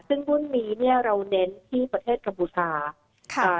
ซึ่งรุ่นนี้เนี่ยเราเน่นที่ประเทศกรรมบุษา